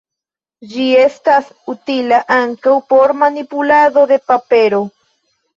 Ĝi estas utila ankaŭ por manipulado de papero.